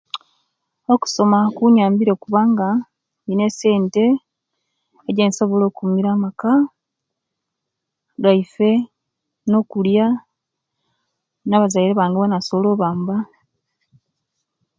Okusoma kunyambire kubanga inina esente ejensobola okumira amaka gaife nokulya nabazaire bange bona nsobola obamba